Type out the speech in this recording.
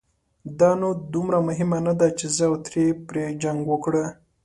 دا نو دومره مهمه نه ده، چې زه او ترې پرې جنګ وکړو.